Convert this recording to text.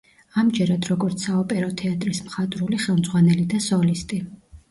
ამჯერად როგორც საოპერო თეატრის მხატვრული ხელმძღვანელი და სოლისტი.